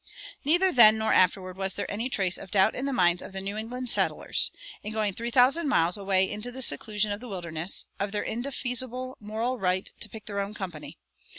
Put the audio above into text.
"[98:1] Neither then nor afterward was there any trace of doubt in the minds of the New England settlers, in going three thousand miles away into the seclusion of the wilderness, of their indefeasible moral right to pick their own company.